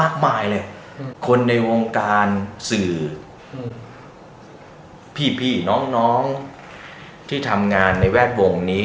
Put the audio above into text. มากมายเลยคนในวงการสื่อพี่น้องที่ทำงานในแวดวงนี้